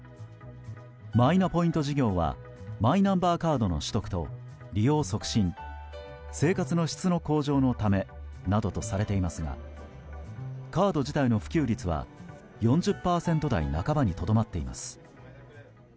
マイナポイント事業はマイナンバーカードの取得と利用促進、生活の質の向上のためなどとされていますがカード自体の普及率は４０％台半ばにとどまっています。